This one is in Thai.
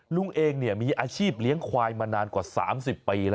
ลุงเองมีอาชีพเลี้ยงควายมานานกว่า๓๐ปีแล้ว